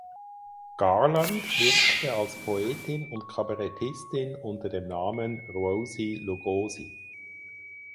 Garland wirkte als Poetin und Kabarettistin unter dem Namen Rosie Lugosi.